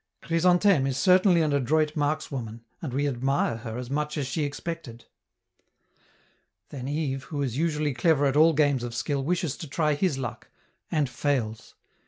Chrysantheme is certainly an adroit markswoman, and we admire her as much as she expected. Then Yves, who is usually clever at all games of skill, wishes to try his luck, and fails.